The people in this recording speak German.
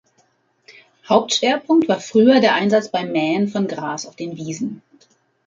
Hauptschwerpunkt war früher der Einsatz beim Mähen von Gras auf den Wiesen.